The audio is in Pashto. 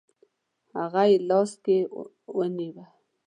هغه یې لاس کې ونیوه.